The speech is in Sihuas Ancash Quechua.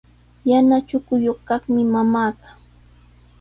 Yana chukuyuq kaqmi mamaaqa.